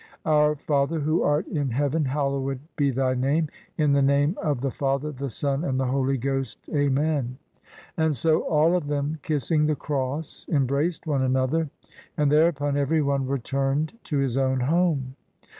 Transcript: Our Father who art in Heaven, hallowed be thy name. In the name of the Father, the Son, and the Holy Ghost, Amen." And so all of them, kissing the cross, embraced one another, and 151 CHINA thereupon every one returned to his own home.